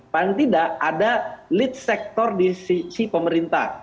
paling tidak ada lead sektor di sisi pemerintah